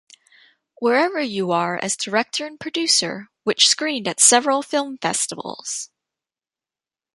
Wherever You Are as director and producer, which screened at several film festivals.